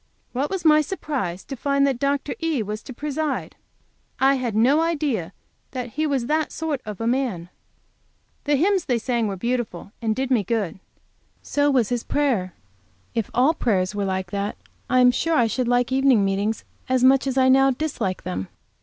What was my surprise to find that Dr. E. was to preside! I had no idea that he was that sort of a man. The hymns they sang were beautiful, and did me good. So was his prayer. If all prayers were like that, I am sure I should like evening meetings as much as I now dislike them.